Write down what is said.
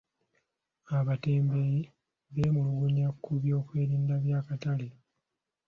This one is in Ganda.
Abatembeeyi beemulugunya ku by'okwerinda by'akatale.